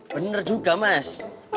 bener juga mas